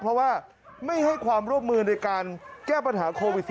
เพราะว่าไม่ให้ความร่วมมือในการแก้ปัญหาโควิด๑๙